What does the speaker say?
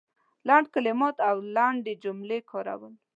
لنډ کلمات او لنډې جملې کارول